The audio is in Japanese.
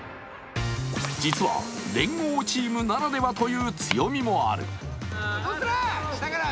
実は連合チームならではという強みもある。